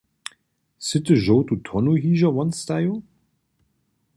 Sy ty žołtu tonu hižo won stajiła?